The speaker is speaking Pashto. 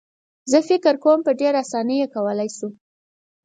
زه فکر کوم په ډېره اسانۍ یې کولای شو.